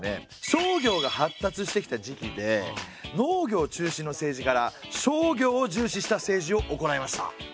商業が発達してきた時期で農業中心の政治から商業を重視した政治を行いました。